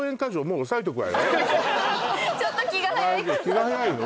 ちょっと気が早い気が早いの？